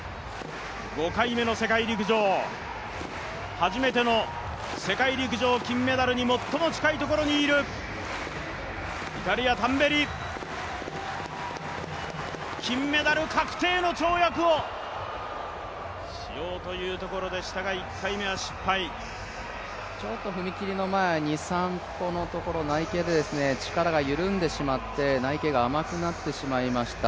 ５回目の世界陸上、初めての世界陸上金メダルに最も近いところにいるイタリア・タンベリ、金メダル確定の跳躍をしようというところでしたがちょっと踏み切りのところ、内傾で力が緩んでしまって、内傾が甘くなってしまいました。